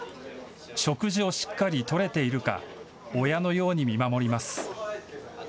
食事をしっかりとれているか親のように見守ります。